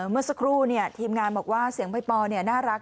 เมื่อสักครู่ทีมงานบอกว่าเสียงใบปอน่ารัก